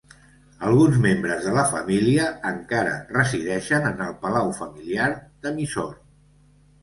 Alguns membres de la família encara resideixen en el palau familiar de Mysore.